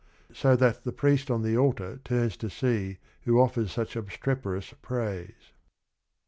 " so that the priest on the altar turns to see who offers such obstreperous praise.